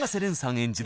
演じる